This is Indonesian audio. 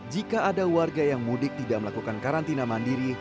jika ada warga yang mudik tidak melakukan karantina mandiri